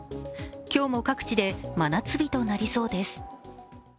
今日も各地で真夏日となりそうです。